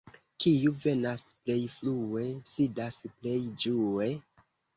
Kiu venas plej frue, sidas plej ĝue.